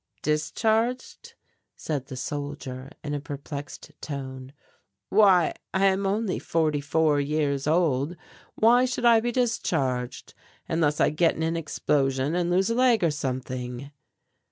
"Discharged," said the soldier, in a perplexed tone, "why I am only forty four years old, why should I be discharged unless I get in an explosion and lose a leg or something?"